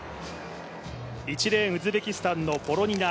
１レーンウズベキスタンのボロニナ